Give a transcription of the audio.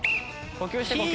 呼吸して呼吸。